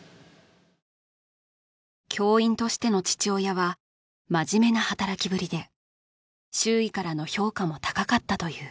教員としての父親は真面目な働きぶりで周囲からの評価も高かったという